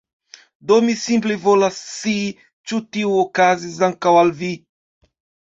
Do mi simple volas scii ĉu tio okazis ankaŭ al vi.